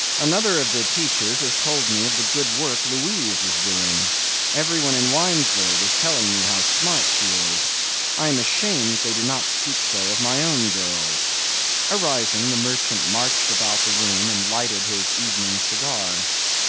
"Another of the teachers has told me of the good work Louise is doing. Everyone in Winesburg is telling me how smart she is. I am ashamed that they do not speak so of my own girls." Arising, the merchant marched about the room and lighted his evening cigar.